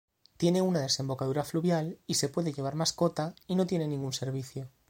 Tiene una desembocadura fluvial y se puede llevar mascota y no tiene ningún servicio.